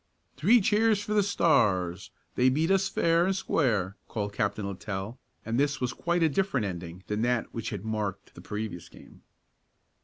"Three cheers for the Stars they beat us fair and square!" called Captain Littell, and this was quite a different ending than that which had marked the previous game.